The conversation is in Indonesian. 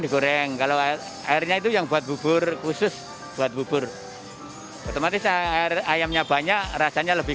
digoreng kalau airnya itu yang buat bubur khusus buat bubur otomatis air ayamnya banyak rasanya lebih